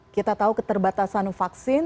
kita tahu keterbatasan vaksin